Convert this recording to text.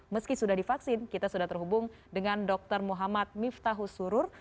meski sudah divaksin kita sudah terhubung dengan dr muhammad miftahus surur